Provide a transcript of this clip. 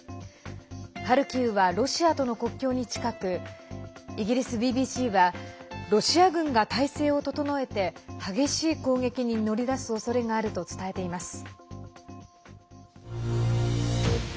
ハルキウはロシアとの国境に近くイギリスＢＢＣはロシア軍が態勢を整えて激しい攻撃に乗り出すおそれがあると伝えています。